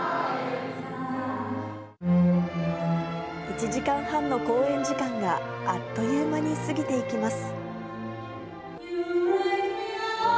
１時間半の公演時間があっという間に過ぎていきます。